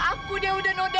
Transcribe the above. aida aku akan semoga